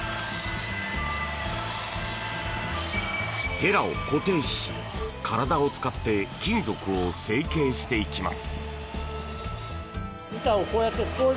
へらを固定し、体を使って金属を成形していきます。